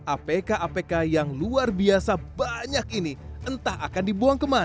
apk apk yang luar biasa banyak ini entah akan dibuang kemana